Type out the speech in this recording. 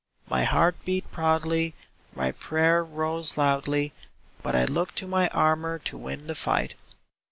My heart beat proudly, my prayer rose loudly, But I looked to my armor to win the fight.